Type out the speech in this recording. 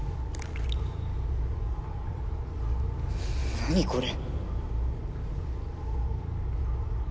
何これ。